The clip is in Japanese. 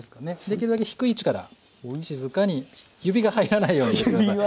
できるだけ低い位置から静かに指が入らないように入れて下さい。